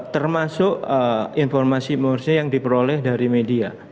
termasuk informasi informasi yang diperoleh dari media misalnya